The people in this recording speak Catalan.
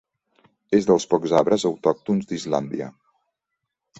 És dels pocs arbres autòctons d'Islàndia.